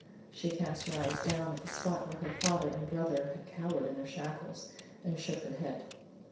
She cast her eye down at the spot where her father and brother had cowered in their shackles, and shook her head.